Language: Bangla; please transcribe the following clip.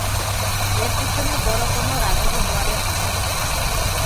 এর পিছনে বড় কোনো রাঘব বোয়ালের হাত আছে।